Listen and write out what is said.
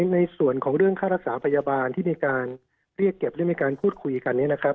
ในส่วนของเรื่องค่ารักษาพยาบาลที่มีการเรียกเก็บหรือมีการพูดคุยกันนี้นะครับ